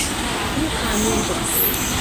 Yukon region.